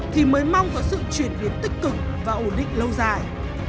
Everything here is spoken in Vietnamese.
thì mới mong có sự chuyển biến tích cực và ổn định lâu dài